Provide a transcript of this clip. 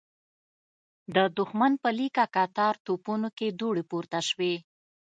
د دښمن په ليکه کتار توپونو کې دوړې پورته شوې.